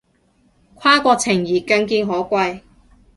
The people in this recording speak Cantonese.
跨國情誼更見可貴